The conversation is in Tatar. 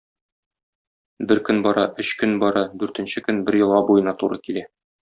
Бер көн бара, өч көн бара, дүртенче көн бер елга буена туры килә.